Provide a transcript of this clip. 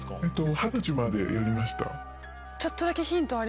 二十歳までやりました。